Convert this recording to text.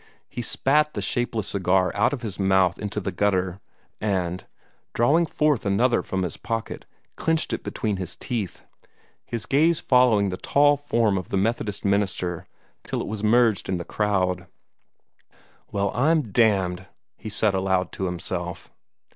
He spat the shapeless cigar out of his mouth into the gutter, and, drawing forth another from his pocket, clenched it between his teeth, his gaze following the tall form of the Methodist minister till it was merged in the crowd. "Well, I'm damned!" he said aloud to himself.